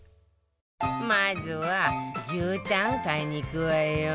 まずは牛タンを買いに行くわよ